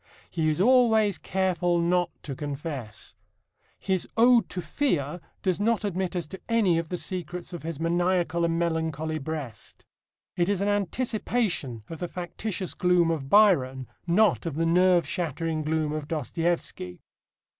He is always careful not to confess. His Ode to Fear does not admit us to any of the secrets of his maniacal and melancholy breast. It is an anticipation of the factitious gloom of Byron, not of the nerve shattered gloom of Dostoevsky.